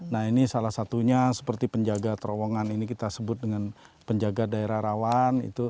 nah ini salah satunya seperti penjaga terowongan ini kita sebut dengan penjaga daerah rawan